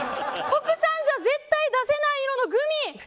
国産じゃ絶対出せない色のグミ！